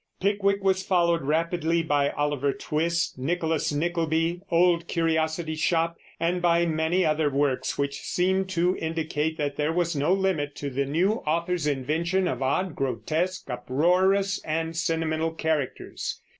Pickwick was followed rapidly by Oliver Twist, Nicholas Nickleby, Old Curiosity Shop, and by many other works which seemed to indicate that there was no limit to the new author's invention of odd, grotesque, uproarious, and sentimental characters.